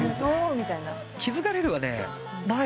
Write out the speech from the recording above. みたいな。